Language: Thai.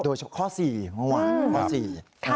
โดยข้อ๔เมื่อวาน